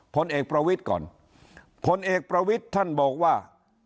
ผลเอกประวิทย์ก่อนพลเอกประวิทย์ท่านบอกว่า